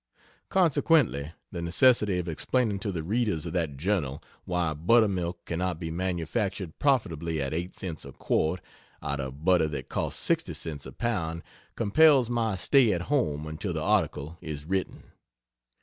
Consequently the necessity of explaining to the readers of that journal why buttermilk cannot be manufactured profitably at 8 cents a quart out of butter that costs 60 cents a pound compels my stay at home until the article is written.